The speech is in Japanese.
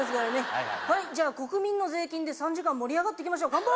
はいじゃあ国民の税金で３時間盛り上がっていきましょう乾杯！